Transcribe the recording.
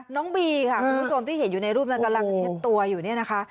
น้องบีค่ะคุณผู้ชมที่เห็นอยู่ในรูปนั้นกำลังเช็ดตัวอยู่เนี่ยนะคะ